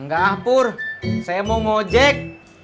ga apur saya mau mojek